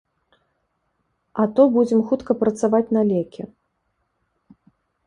А то будзем хутка працаваць на лекі.